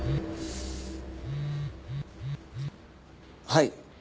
はい。